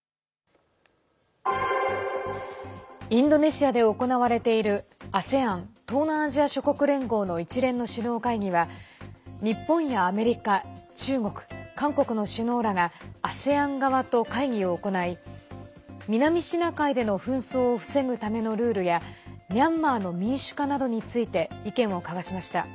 インドネシアで行われているＡＳＥＡＮ＝東南アジア諸国連合の一連の首脳会議は日本やアメリカ、中国、韓国の首脳らがＡＳＥＡＮ側と会議を行い南シナ海での紛争を防ぐためのルールやミャンマーの民主化などについて意見を交わしました。